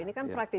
ini kan praktik